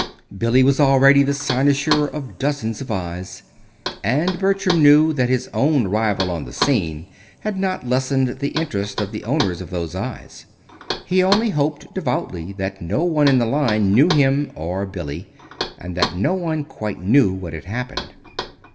Billy was already the cynosure of dozens of eyes, and Bertram knew that his own arrival on the scene had not lessened the interest of the owners of those eyes. He only hoped devoutly that no one in the line knew him ar Billy, and that no one quite knew what had happened.